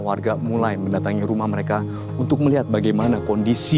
warga mulai mendatangi rumah mereka untuk melihat bagaimana kondisi